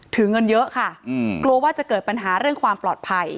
เงินเยอะค่ะกลัวว่าจะเกิดปัญหาเรื่องความปลอดภัย